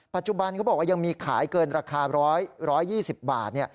ปัจจุบันเขาบอกว่ายังมีขายเกินราคา๑๒๐บาท